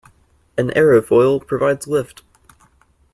An aerofoil provides lift